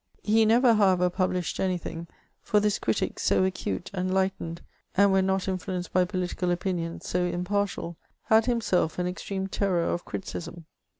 He never, however, published any thing ; for this critic, so acute, enlightened, and' when not influenced by political opinions, so impartial, had himself an extreme terror of criticism.